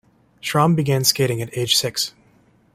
Schramm began skating at age six.